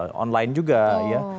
ada lewat online juga ya